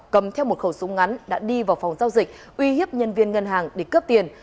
cầm theo một khẩu súng ngắn đã đi vào phòng giao dịch uy hiếp nhân viên ngân hàng để cướp tiền